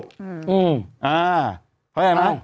เข้าใจไหม